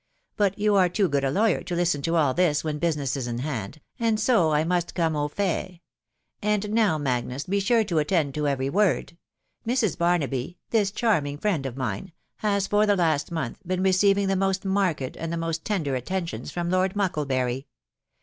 But you are too good a lawyer to listen to aD this when business is in hand, and so I must come ofay. And now, Magnus, be sure to attend to every word. Mrs. Bar naby — this charming friend of mine — has for the last month been receiving the most marked and. the most tender attentions from Lord Mucklebury.